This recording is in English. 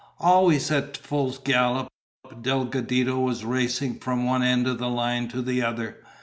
Always at full gallop, Delgadito was racing from one end of the line to the other.